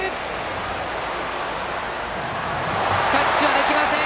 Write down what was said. タッチはできません！